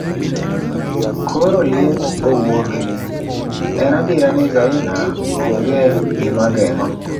koro liet owuogni, en adiera ni Zaina ong'e gima geng'o